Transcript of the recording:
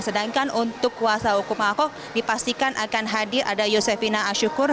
sedangkan untuk kuasa hukum ahok dipastikan akan hadir ada yosefina asyukur